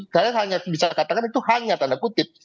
saya hanya bisa katakan itu hanya tanda kutip